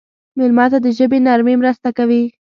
مېلمه ته د ژبې نرمي مرسته کوي.